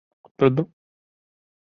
他在嘉靖四十五年改封岷世子。